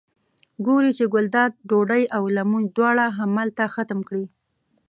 ګوري چې ګلداد ډوډۍ او لمونځ دواړه همدلته ختم کړي.